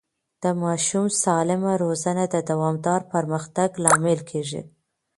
د ماشوم سالمه روزنه د دوامدار پرمختګ لامل کېږي.